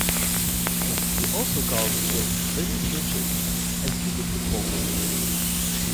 He also calls Kit "Little Britches", as he did with Mowgli.